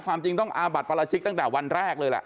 ความจริงต้องอาบัติปราชิกตั้งแต่วันแรกเลยแหละ